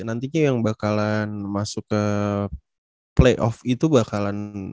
nantinya yang bakalan masuk ke playoff itu bakalan